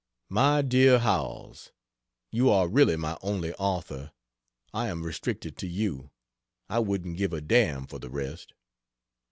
MY DEAR HOWELLS, You are really my only author; I am restricted to you, I wouldn't give a damn for the rest.